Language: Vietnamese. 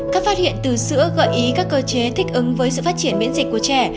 các phát hiện từ sữa gợi ý các cơ chế thích ứng với sự phát triển miễn dịch của trẻ